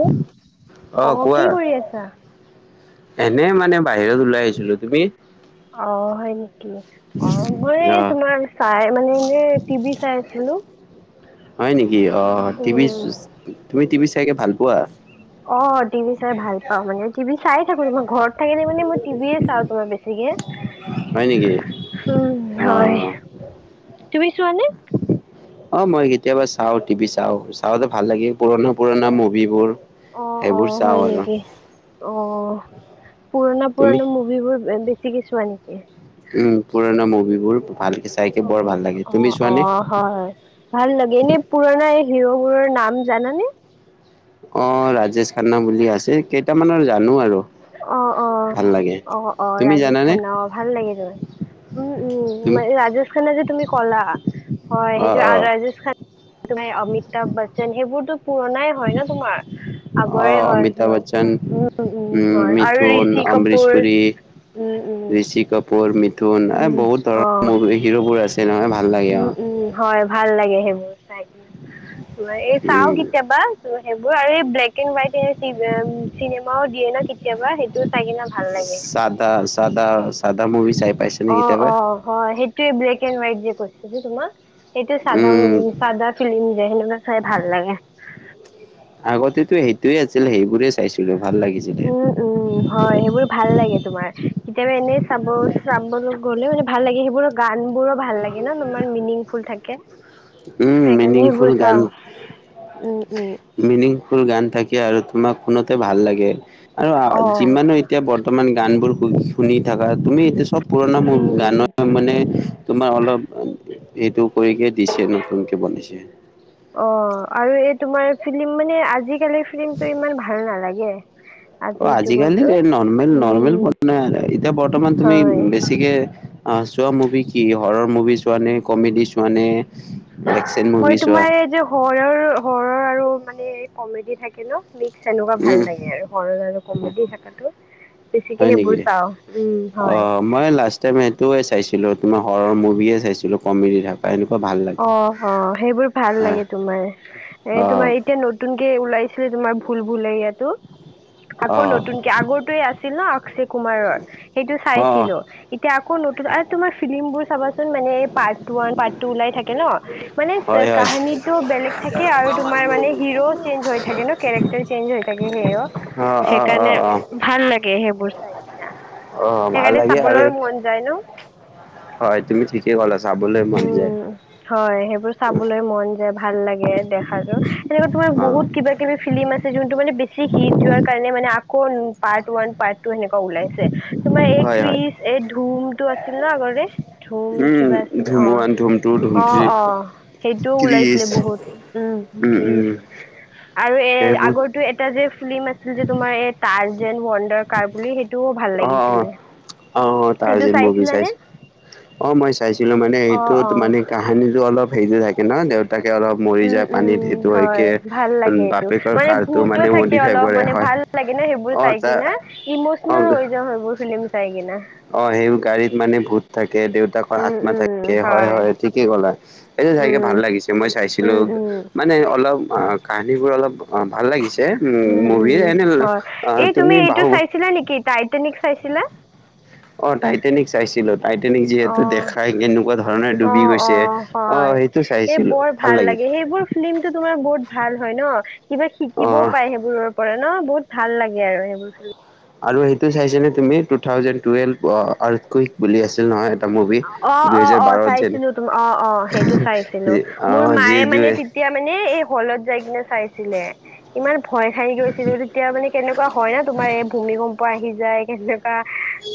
অ অ কি কৰি আছা এনে মানে বাহিৰত ওলাই আহিছিলো। তুমি? অ হয় নেকি? অ' মই অ তোমাৰ চাই মানে এনে টিভি চাই আছিলো। হেল্ল' হয় নেকি অ', টিভি তুমি টিভি চাইকে ভাল পোৱা। অ' টিভি চাই ভাল পাওঁ মানে। টিভি চাইয়ে থাকো তোমাৰ ঘৰত থাকিলে মানে মই টিভি চাওঁ তোমাৰ বেছিকে। হয় নেকি উম অ হয়। তুমি চোৱানে? অ মই কেতিয়াবা চাওঁ টিভি চাওঁ চাওঁতে ভাল লাগে পুৰণা পুৰণা মুভিবোৰ। অ অ সেইবোৰ হয় চাওঁ আৰু। নেকি অ পুৰণা তুমি পুৰণা মুভিবোৰ বেছিকে চোৱা নেকি? উম পুৰণা মুভিবোৰ ভাল। চাইকে অ', বৰ লাগে তুমি অ', চোৱানে অ', হয় ভাল লাগে নে পুৰণা হিৰ'বোৰৰ নাম জানানে? অ', ৰাজেশ খান্না বুলি আছে কেইটামানৰ জানো আৰু। অ অ ভাল লাগে অ অ তুমি ৰাজেশ জানানে খান অ ভাল লাগে ত। উম, উম তুমি মানে ৰাজেশ খান্না যে তুমি কলা হয় অ সেইটো অ ৰাজেশ খান্না তুমি অমিতাভ বচ্চন সেইবোৰটো পুৰণাই হয় ন', তোমাৰ আগৰে হয় উম, উম। হয় আৰু ঋষি কাপুৰ উম উ'। মিথুন এ উম, বহুত ধৰণৰ অ', মুভি হিৰোবোৰ আছে নহয় ভাল লাগে অ উম, উম, হয় ভাল লাগে সেইবোৰ। কি এই চাওঁ উম কেতিয়াবা ত সেইবোৰ আৰু এই ব্লে ব্লেক এণ্ড হোৱাইট ও চিনেমাও দিয়ে ন কেতিয়াবা সেইটোও চাই কিনে ভাল লাগে। [inaudible] চাদা মুভি। চাই পাইছে নে অ কেতিয়াবা অ হয় সেইটোৱে ব্লেক এণ্ড হোৱাইট যে কৈছে যে তোমাক। সেইটো চাদা উম উ চাদা ফিল্ম যে সেনেকুৱা চাই ভাল লাগে। আগতেতো সেইটোয়ে আছিল সেইবোৰে চাইছিলো। ভাল লাগিছিলে উম, উম, হয় সেইবোৰ ভাল লাগে। তোমাৰ কেতিয়াবা এনে চাব চাবলৈ গ'লে মানে ভাল লাগে সেইবোৰৰ গান বোৰো ভাল লাগে ন' তোমাৰ। মিনিং ফুল থাকে উম সেইকাৰণে মিনিংফুল সেইবোৰ গান চাওঁ উম, উম। মিনিংফুল গান থাকে আৰু তোমাক শুনোতে ভাল লাগে। আৰু অ যিমানো এতিয়া বৰ্তমান গান বোৰ শু শুনি থাকা তুমি এতিয়া চব পুৰণা মোৰ উম উম গানৰ মানে তোমাৰ অলপ সেইটো কৰিকে দিছে নতুন কে বনিছে অ আৰু এই তোমাৰ ফিলি্ম মানে, ‌ আজিকালি ফিলি্মতটো ইমান ভাল নালাগে। অ, আজিৰ আজিকালি যুগৰটো নৰ্মেল - নৰ্মেল উম এতিয়া বৰ্তমান তুমি হয় বেছিকে চোৱা মুভি কি, হৰৰ মুভি চোৱা নে কমেডি চোৱা নে? একচন মই মুভি চোৱা তোমাৰ এই যে হৰৰ, হৰৰ আৰু মানে কমেডি থাকে ন মিক্স [unintelligible] এনেকুৱা ভাল উম লাগে আৰু সৰল আৰু কমেডি থাকাাতো। হয় বেছিকে নেকি? সেইবোৰ চাও উম, হয়। অ' মই লাষ্ট টাইম সেইটো চাইছিলো, তোমাৰ হৰৰ মুভিয়ে চাইছিলো, কমেডি থকা এুৱা। অ - অ সেইবোৰ ভাল অ' লাগে তোমাৰ এ তোমাৰ অ', এতিয়া নতুন ওলাইছিলে তোমাৰ ভুল - ভুল ইয়াতো আকৌ অ', নতুনকে আগৰতয়ে আছিল ন আ কুমাৰৰ সেইটো অ', চাইছিলো, এতিয়া আকৌ নতুন আৰু তোমাৰ ফিল্ম বোৰ চাবাচোন মানে পাৰ্ ওান পাৰ্ ওাই থাকে [unintelligible] ন, মানে হয়, হয়, কাহানীটো বেলেগ থাকে আৰু তোমাৰ মানে হিৰ' চেঞ্জ হৈ থাকে ন, কেৰেক্ট চেঞ্জ হৈ থাকে সেইও, অ', অ', সেইকাৰণে অ', অ'। ভাল লাগে সেইবোৰ চাই কিনা। অ', ভাল সেইকাৰণে লাগে আৰু চাবলৈ মন যায় ন। হয় তুমি ঠিকেই কলা। চাবলৈ মন যায় উম হয় সেইবোৰ চাবলৈ মন য ভাল লাগে দেখাটো, সেনেকুৱা তোমাৰ অ'। বহুত কিবা কিবি ফিল্ম আছে যোনটো মানে বেছি হিট যোৱাৰ কাৰণে মানে আকৌ পাৰ্ট ওৱান পাৰ্ট সেনেকুৱা ওলাইছে তোমাৰ এই হয়, হয়, ক্ৰীচ এই ধুম তটো আছিল ন আগৰে ধুম কিবা আছিল অ ধুমোৱাান ধুম টু, ধুম অ' থ্ৰী, অ' সেইটোও ক্ৰিছ ওলাইছিলে বহুত, উম [unintelligible] গ আৰু সেইবোৰ আগৰটো এটা যে ফিল্ম আছিল যে তোমাৰ এ ডাৰ কাৰ বুলি সেইটো ভাল অ', লাগিছিলে অ'। অ', সেইটো টাৰ্জেন মুভি চাইছিলা নে। চাইছোঁ। অ, মই চাইছিলো মানে এইটোত মানে অ কাহানিটো অলপ হেৰি যে থাকে ন দেত তাকে অলপ মৰি উম যায়, পানীত উম সেইটো হয় হয়কে ভাল লাগে এইটো বাপেকৰ মানে কাৰাঁটো ভূতো মানে থাকে মডিফাই অলপ কৰে, মানে হয়। ভাল লাগে ন সেইবোৰ অ', চাই তাৰ কিনে ইমচনেল অ'। হৈ যাও সেইবোৰ ফিলম চাই কিনে। অ' সেই গাড়ীত মানে ভূত থাকে দেউতাকৰ উম আত্মা উম থাকে, হয় হয়-হয় ঠিকেই ক এয়া চাইকে উম ভাল লাগিছে, মই চাইছিলো, উম উম মানে অলপ কাহানী বোৰ অলপ অ, ভাল লাগিছে উ মুভিিলয় এনে অ, তুমি টো বাহু চাইছিলা নেকি টাইটেনিক চাইছিলা। অ' টাইটেনিক চাইছিলো। টাইটেনিক অ যিহেতু দেখাই কেনেকুৱা ধৰণে অ ডুবি অ গৈছে অ, হয় সেইটো এই চাইছিলো বৰ ভাল লাগিছিল। লাগে সেইবোৰ ফিল্ম তো তোমাৰ বু ভাল হয় ন, ‌কিবা অ শিকিবও পায় সেইবোৰৰ পৰা ন, বহুত ভাল লাগে আৰু সেইবোৰ আৰু সেইটো চাইছে তুমি টো থাউজে েলভ [unintelligible] বুলি আছিল নহয় এটা মুভি দুহেজাৰ অ'-অ'-অ', বাৰত যেন চাইছিলো ত অ'-অ' সেইটো চাইছিলো অ মোৰ যি মায়ে মানে দুৱে তেতিয়া এয়া মানে এই হলত যাই কিনে চাই। ছিলে ইমান ভয় খাই গৈছিলো তেতিয়া মানে কেনেকুৱা হয় ন তোমাৰ এই ভূমিকম্প আহি যায় কেনেকুৱা,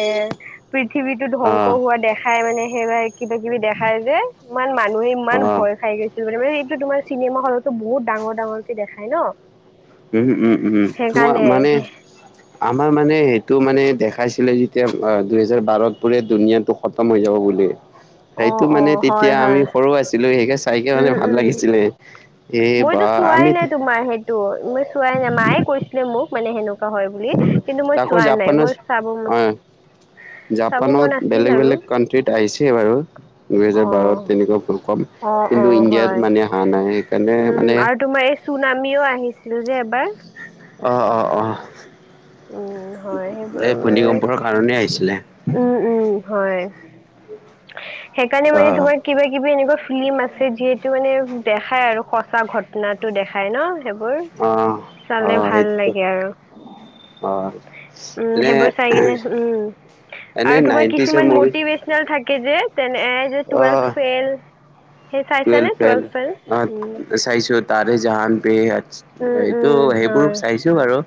এৰ পৃথিৱীতো অ ধ্বংস হোৱা দেখাই মানে, সেইবিল কিবা কিবি দেখাই যে, ইমান মানুহে ইমান অ ভয় খাই গৈছিল মানে মানে তোমাৰ চিনেমা হলতো বহুত ডাঙৰ ডাঙৰক দেখাই ন উম-উম-উম, তোমাৰ সেইকাৰণে মানে, ‌আমাৰ মানে সেইটো মানে দেখাইছিলে যেতিয়া দুহেজাৰ বাৰত পোৰে দুুনীয়াটো খতম হৈ যাব বুলিু অ', সেইটো মানে অ', তেতিয়া হয় হয় আমি সৰু আছিলো শিক আছে। চাইকেলে উম, ভাল উম। লাগিছিলে এ মইতো বা চোৱাই আমি নাই তোমাৰ সেইটো মই চোৱাই নাই মায়ে কৈছিলে মোক, মানে সেনেকুৱা হয় বুলি কিন্তু মই তাকো চোৱা নাই জাপানত মই চাব ম অ', জাপানত বেলেগ বেলেগ কানট্ৰিত আহিছে বাৰু! অ দুহেজাৰ বাৰত তেনেকুৱা ভুল কম অ অ কিন্তু হয় ইণ্ডিয়াত মানে হা নাই সেইকাৰণে মানে উম আৰু তোমাৰ এই চুনামিও আহিছিল যে এবাৰ। অ অ অ। উম হয় সেইবোৰ এই মানে ভূমিকম্পৰ কাৰণেই আহিছিলে। উম উম হয় সেইকাৰণে মানে অ', তোমাৰ কিবা কিবি এনেকুৱা। ফিল্ম আছে যিহেতু মানে দেখাই আৰু সঁচা ঘটনা টো দেখাই ন? সেইবোৰ অ', চালে অ', ভাল সেইটোতো লাগে আৰু। অ'। উম এনে সেইবোৰ চাই কিনে উম। এনে আৰু তোমাৰ নাইনটিজৰ কিছুমান মুভি মতিভেশনেল থ যে তেনে এ আহ টোৱেয়ালভ ফেইল। সেই চাইছানে টুৱেলভ ফেল উ। চাইছো তাৰে জাহান পে এইটো সেইবোৰ হয় চাইছো বাৰু!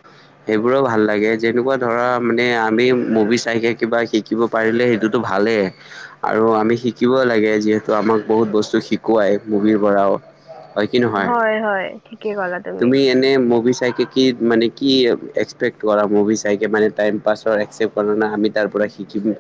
সেইবোৰো ভাল লাগে যেনেকুৱা ধৰা মানে আমি মুভি চাইকে কিবা শিকিব পাৰিলে সেই। ভালেই আৰু আমি শিকিব লাগে যিহেতু আমাক বহুত বস্তু শ শুৱাই মুভিৰ পৰাও। হয় কি নহয় হয় হয় ঠিকেই ক'লা তুমি এনে মভি চাইক কি মানে কি এক্সপেক্ট কৰা মুভি চাইকে মানে টাইম পাছৰ একচেপ্ট কৰা ন আমি তাৰ পৰা শিকি যবোৰ।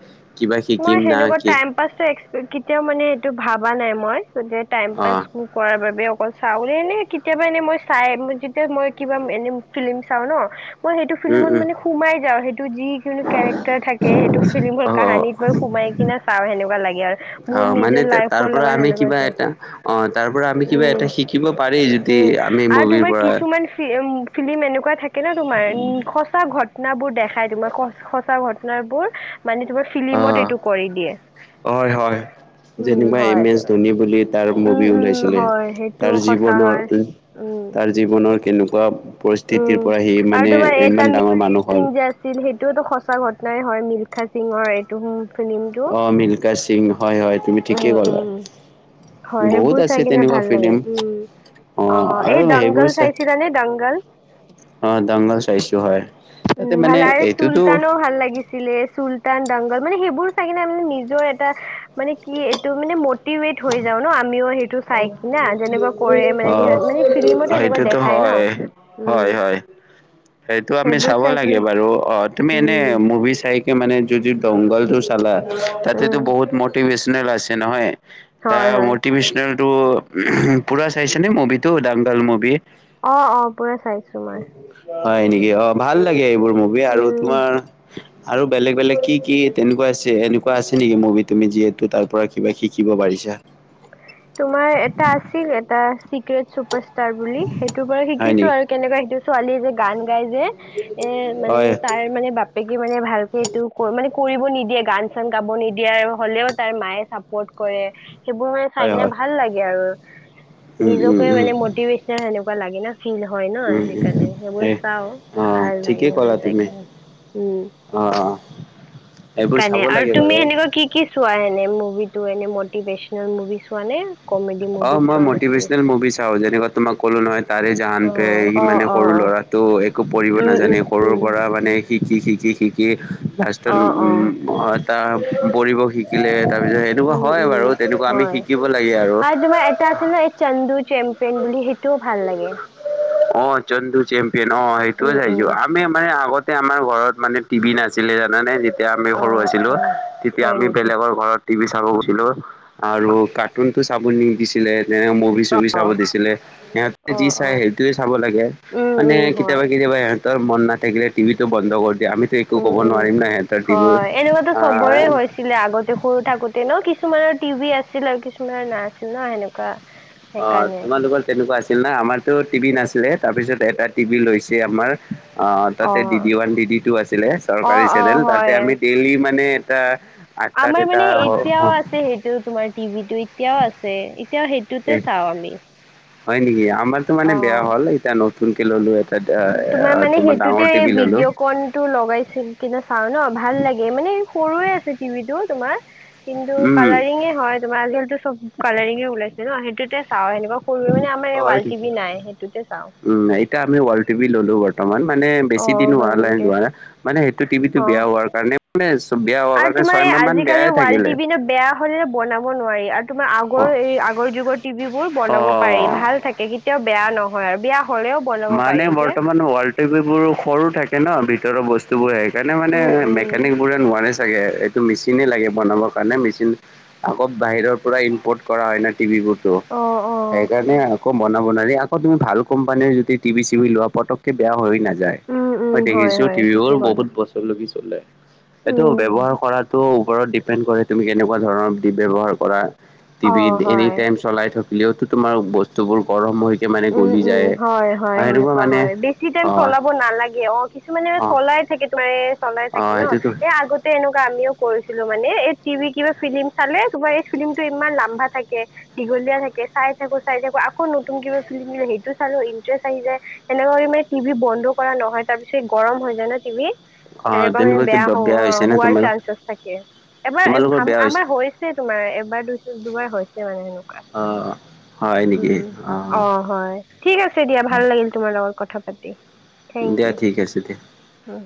মই হেনেকুৱা টাইম পাছৰ কেতিয়াও মানে এইটো ভাবা নাই মই। টাইম পাছ অ কৰাৰ বাবে অকল চাউলে নে কেতিয়াবা এনেই মই চাই যেতিয়া মই কিবা এনে ফিল্ম চাওঁ ন। মই সেইটো উম ফিল্মত উম মানে সোমাই যাওঁ সেইটো যিকোনো কেৰেক্টাৰ থাকে সেইটো ফিল্মৰ অ কাহানীত সোমাই কিনে চাওঁ সেনেকুৱা লাগে আৰু অ মোৰ মানে নিজৰ তাৰ লাইফৰ পৰা লগত আমি সেনেকুৱা কিবা আছে। এটা অ তাৰ পৰা আমি কিবা উম এটা শিকিব পাৰি যদি উম আমি আৰু মুভিৰ তোমাৰ পৰা কিছুমান ফিম ফিল্ম এনেকুৱা কুৱা থাকে ন তোমাৰ উম সঁচা ঘটনাবোৰ দেখাই তোমাৰ সচ সঁচা ঘট [unintelligible] এইবোৰ মানে তোমাৰ অ ফিলিমত এইটো কৰি দিয়ে। হয় হয় উম যেনিবা এম হয় এছ তো- ধোনী বুলি তাৰ উম মুভি উম ওলাইছিলে, হয় সেইটো তাৰ সঁচা জীৱনৰ হয়। উম তাৰ জীৱনৰ কেনেকুৱা পৰিস্থ উম, আৰু তোমাৰ এটা মি মানুহ সিং হ'ল [unintelligible] যে আছিল সেইটোওটো সঁচা ঘটনাই। হয়, মিলখা সিংৰ এইটো। ফিলিমটো, অ মিল্খা সিং হয় হয় তুমি উম, ঠিকেই ক'লা উম, হয় বহুত সেইবোৰ আছে চাই কিনে তেনেকুৱা ভাল লাগে, ফিল্ম উম, অ', আৰু এই সেইবোৰ দংগল চাই চাইছিলা নে দংগল? অ দাংগল চাইছো হয় উম, তাতে ভাল মানে আৰু এইটোতো চুলতানো ভাল লাগিছিলে চুল তান দাংগল মানে সেইবোৰ চাই কিনে নিজৰ এটা মানে কি এইটো মানে মটিভট হৈ যাও ন'। আমিও সে অ', যিহত মানে ফিল্মত সেনেকুৱা সেইটোতো দেখাই ন হয়। উম হয় হয় সেইটো আমি সেইবোৰ চাব চাই লাগে কিনে বাৰু অ, তুমি এনে উম মুভি চাইকে মানে যদি [unintelligible] দংগলটো চালা তাতেতো উম বহুত মটিভেশনেল আছে নহয়। হয় তাৰ হয় মটিভেশনেলটো, পুৰা চাইছে ন' মুভিটো দাংগাল মুভি। অ', অ, পুৰা চাইছোঁ মই। হয় নেকি অ ভাল লাগে এইবোৰ মুভি আৰু উম তোমাৰ আৰু বেলেগ বেলেগ কি কি তেনেকুৱা আছে এনেকুৱা আছে নিকি মুভি তুমি যিহেতু তাৰ পৰা কিবা শিকিব পাৰি [unintelligible] তোমাৰ এটা আছিল এটা চিক্ৰট চুপাৰ টাৰ বুলি সেইটো বাৰু হয় শিকিছোঁ নেকি আৰু কেনেকা সেইটো ছোৱালী যে গান লগাই যে, এ মানে হয় তাৰমানে বাপেক মে ভালকে এইটো মানে কৰিব নিদিয়ে গান চান গাব নিদিয়াৰ হলেও তাৰ মায়ে চাপৰ্ট কৰে। এ সেইবোৰ মানে চাই হয় কিনে হয় ভাল লাগে আৰু উম উম নিজকে মানে উম মটিভেশচনেল সেনেকুৱা লাগে না। ফিল হয় ন উম উম সেইকাৰণে সেইবোৰ সেই চাও অ ভাল লাগে ঠিকেই সেইবোৰ ক'লা চাই তুমি কি। অ', সেই এইবোৰ চাব কাৰণে আৰু লাগে তুমি বাৰু সেনেকুৱা কি কি চোৱা এনে মুভিত। তো এনে মটিভেশনল মুভি ছোৱা নে? কমেডি অ, মুভি মই চোৱা বেছি মটিভেশচনেল মুভি চাও যেনেকা তোমাক ক'লো নহয়। তাৰে জাহান পে অ', সি অ', মানে সৰু অ', ল'ৰাটো একো পঢ়িব উম, উম, নাজানে সৰুৰ উম, পৰা মানে শিকি- শিকি শিকি লাষ্টত অ', উম, অ', এটা পৰিব শিকি শিকিলে তাৰ পিছত সেনেকুৱা উম, হয় বাৰু উম। তেনেকুৱা আমি হয় শিকিব লাগে আৰু। তোমাৰ এটা আছিল ন এই চন্দু চেম্পিয়ন বুলি সেইটোও ভাল লাগে। অ, চন্দু চেম্পিয়ন অ' সেইটো উম, উম, চাইছো আমি মানে আগত আমাৰ ঘৰত মানে টিভি নাছিলে জানে। যেতিয়া আমি সৰু অ', আছিলো অ', তেতিয়া হয় আমি নেকি? বেলেগৰ ঘৰত টিভি চাব গৈছিলো আৰু কাৰ্টুনতটো চাব নি দিছিলে। যেনে মুভি চুভি চাব অ', দিছিলে সিহঁতে যি অ', চাই অ', সেই চাব লাগে উম, মানে উম, কেতিয়াবা হয়, - কেতিয়াবা সহতৰ মন নাথাকিলে টিভি টো বন্ধ কৰি। দিয়ে আমিতো একো উম ক'ব উম, নোৱাৰিম ন সিহঁতৰ টিভিৰ হয় এনেকুৱাতো চবৰে আহ হৈছিলে আগতে সৰু থাকোতে ন কিছু কিছুমানৰ টিভি আছিল আৰু কিছুমানৰ না আছিল ন সেনেকুৱা অ, সেইকাৰণে তোমালোকৰ তেনেকুৱা আছিল না আমাৰতো টিভি নাছিলে তাৰপিছত এটা টিভি লৈছে আমাৰ। অ, তাতে অ', ডি-ডি ওৱান ডিডি টু আছিলে চৰকাৰী অ', চেনেল অ', তাতে হয়। আমি ডেইলি মানে এটা আঠটাত আমাৰ এটা মানে হ এতিয়াও আছে সেইটো তোমাৰ টিভিটো এতিয়াও আছে। এতিয়াও সেইটোতে চাওঁ আমি। হয় নেকি? আমাৰতো মানে অ। বেয়া হ'ল এতিয়া নতুনকে ললো এটা। তোমাৰ মানে সেইটোতে ডাঙৰ টিভি ললো ভিডিঅ' কণ টো লগাই কিনে চাও ন ভাল লাগে মানে। সৰুয়ে আছে টিভিটোত। তোমাৰ কিন্তু উম। কালাৰিঙ হয় তমাৰ আজালো চব কালাৰিং ওলাইছে। ন সেইটোতে চাও সেনেকুৱা সৰু মানে আমাৰ এই হয় ৱাল টি নেকি? নাই সেইটোতে চাও। উম, এতিয়া আমি ৱাল টিভি ল'লো বৰ্তমান মানে বেছি দিন হোৱা হয় নেকি নাই মানে সেইটো টিভি টো অ। বেয়া হোৱাৰ কাৰণে মানে বেয়া হোৱাৰ আৰু কাৰণে তোমাৰ এই ছয়মাহ মান আজিিকালি বেয়াই থাকিলে। ৱালটিভি ন বেয়া হলে ন বনাব আৰু তোমাৰ আগৰ অ', এই আগৰ যুগৰ টিভিবোৰ বনাব পাৰি অ'। ভাল থাকে কেতিয়াও বেয়া নহয় আৰু বিয়া মানে বৰ্তমান ৱালটেপ এইবোৰ সৰু থাকে ন ভিতৰৰ বস্তু বোৰ সেইকাৰণে মানে উম উম মেকানিক বোৰে নোৱাৰে চাগেএইটো মেচিনে লাগে বনাব কাৰণে মেচিন আকৌ বাহিৰৰ পৰা ইম্পৰ্ট কৰা হয় ন। টিভিবোৰতো অ অ সেইকাৰণে আকৌ বনাব নোৱাৰি আকৌ তুমি ভাল কোম্পানীৰ যদি টিভি চি লোৱা পতকে বেয়া হৈয় নাযায় উম উম মই হয় দেখিছো হয় টিভিবোৰ ঠিকেই ক'লা বহুত বছৰ লিছ [inaudible] এইটো উম ব্যৱহাৰ কৰাটোো ওপৰত ডিপেণ্ড কৰে তুমি কেনেকুৱা ধৰণৰ ব্যৱহাৰ কৰা। অ টিভিত এনি হয় টাইম চলাই থাকিলেওতো তোমাৰ বস্তুবোৰ গৰম হৈকে মানে উম গলি উম যায়। হয় - হয় আৰু এনেকুৱা সেনেকুৱা মানে হয় বেছি টাইম হয় চলাব নালাগে অ, কিছুমানে অ', চলাই থাকে তোমাৰ চলাই থাকে অ', ন সেইটোতো এই আগতে এনেকুৱা আমিও কৰিছিলো মানে এই টিভি কিবা ফিলিম চালে তোমাৰ এই ফিলিমটো ইমান লাম্বা থাকে। দলীয়া থাকে চাই থাকো চাই থাকো আকৌ নতুন কিবা সেইটো চালো ইন্টাৰেষ্ট আহিায় সেনেক মানে টিভি বন্ধ কৰা নহয় তাৰ পিছত গৰম হৈ যায় ন টিভি। অ', সেনেুৱা মানে তেনেকুৱা কি বেয়া হ- হৈছে নে হোৱাৰ তোমাৰ চাঞ্চেছ থাকে। এবাৰ তোমালোকৰ বেয়া হৈছে আমাৰ হৈছেই তোমাৰ এবাৰ দু দুবাৰ হৈছে মানে এনেকুৱা। অ'। হয় নেকি অ, অ' হয়, ঠিক আছে দিয়া ভাল লাগিল তোমাৰ লগত কথা পাতি। থেংক দিয়া ঠিক আছে দিয়া। ইউ